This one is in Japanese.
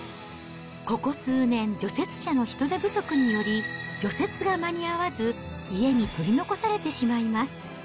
ここ数年、除雪車の人手不足により、除雪が間に合わず、家に取り残されてしまいます。